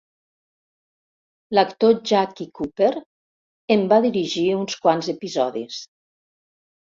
L'actor Jackie Cooper en va dirigir uns quants episodis.